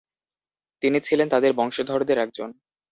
তিনি ছিলেন তার বংশধরদের একজন।